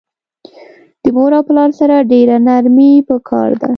د مور او پلار سره ډیره نرمی پکار ده